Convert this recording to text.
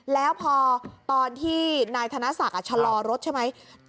แล้วพอตอนที่นายธนศักดิ์ชะลอรถใช่ไหม